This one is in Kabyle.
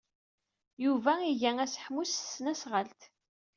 Yuba iga asehwu s tesnasɣalt.